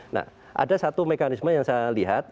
nah ada satu mekanisme yang saya lihat